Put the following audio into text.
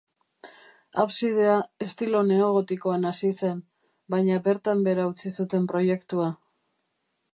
Absidea estilo neo-gotikoan hasi zen, baina bertan behera utzi zuten proiektua.